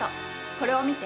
これを見て。